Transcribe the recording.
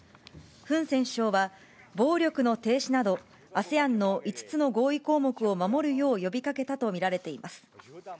フン・セン首相は、暴力の停止など、ＡＳＥＡＮの５つの合意項目を守るよう呼びかけたと見られています。